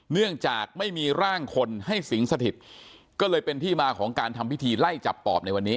เนื่องจากไม่มีร่างคนให้สิงสถิตก็เลยเป็นที่มาของการทำพิธีไล่จับปอบในวันนี้